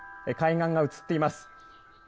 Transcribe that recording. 海岸が映っています。